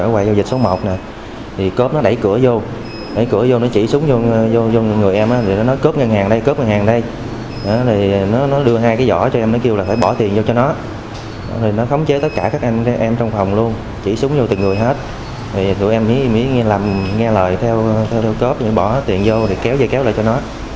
vì tụi em mới nghe lời theo cướp bỏ tiền vô kéo dây kéo lại cho nó